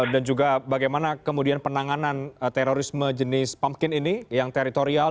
dan juga bagaimana kemudian penanganan terorisme jenis pumpkin ini yang teritorial